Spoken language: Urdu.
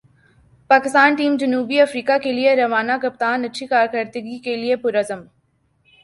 پاکستان ٹیم جنوبی افریقہ کیلئے روانہ کپتان اچھی کارکردگی کیلئے پر عزم